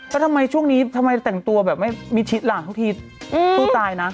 ก็ช่วงนี้ทำไมแต่งตัวไม่มีชิดหลังทุกทีสู้ตายนะ